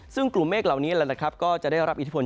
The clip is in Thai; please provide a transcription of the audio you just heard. ซึ่งกลุ่มเมฆเหล่านี้ก็จะได้รับอิทธิพล